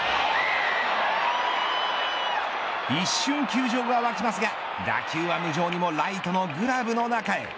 一瞬球場が沸きますが打球は無情にもライトのグラブの中へ。